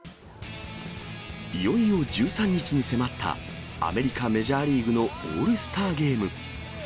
いよいよ１３日に迫った、アメリカメジャーリーグのオールスターゲーム。